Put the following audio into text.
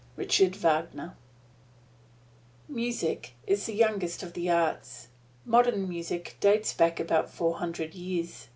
Richard Wagner LUDWIG VAN BEETHOVEN Music is the youngest of the arts. Modern music dates back about four hundred years.